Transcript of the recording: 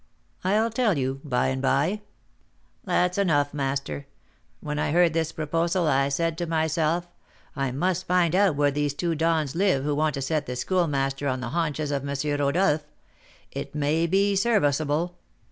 "I'll tell you by and by." "That's enough, master. When I heard this proposal, I said to myself, I must find out where these two dons live who want to set the Schoolmaster on the haunches of M. Rodolph; it may be serviceable.